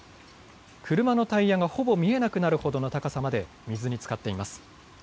車のタイヤがほぼ見えなくなるほどの高さまで水につかっています。